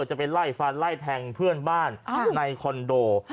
จะไปไล่ฟันไล่แทงเพื่อนบ้านในคอนโด